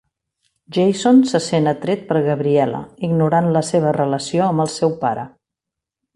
Jason se sent atret per Gabriela, ignorant la seva relació amb el seu pare.